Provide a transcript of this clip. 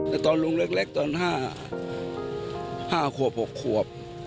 แต่ตอนลุงเล็กตอนห้าห้าขวบหกขวบ